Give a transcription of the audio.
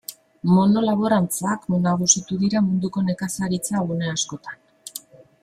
Monolaborantzak nagusitu dira munduko nekazaritza gune askotan.